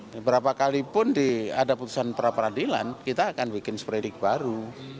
beberapa kalipun ada putusan pra peradilan kita akan bikin seperindik baru